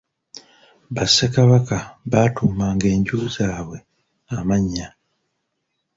Bassekabaka baatuumanga enju zaabwe amannya.